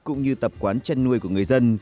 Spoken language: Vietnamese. cũng như tập quán chăn nuôi của người dân